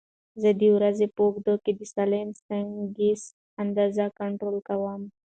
زه د ورځې په اوږدو کې د سالم سنکس اندازه کنټرول کوم.